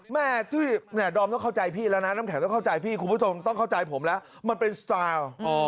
แม่จุ้ยดอมต้องเข้าใจพี่แล้วนะน้ำแข็งต้องเข้าใจพี่คุณผู้ชมต้องเข้าใจผมแล้วมันเป็นสตาร์